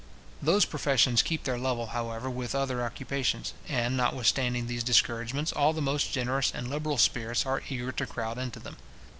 Those professions keep their level, however, with other occupations; and, notwithstanding these discouragements, all the most generous and liberal spirits are eager to crowd into them.